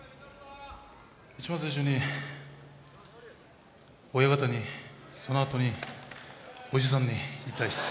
いちばん最初に親方に、そのあとにおじさんに言いたいです。